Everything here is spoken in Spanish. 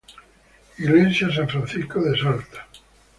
Iglesia San Francisco Salta